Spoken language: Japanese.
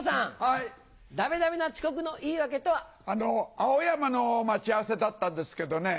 青山の待ち合わせだったんですけどね